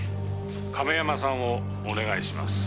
「亀山さんをお願いします」